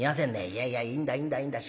「いやいやいいんだいいんだいいんだ。